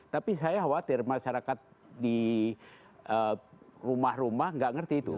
tapi saya khawatir masyarakat di rumah rumah nggak ngerti itu